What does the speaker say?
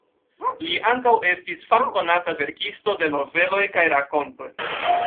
Li ankaŭ estis famkonata verkisto de noveloj kaj rakontoj.